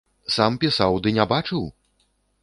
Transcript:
Сам пісаў ды не бачыў?